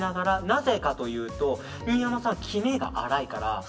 なぜかというと新山さん、きめが粗いから。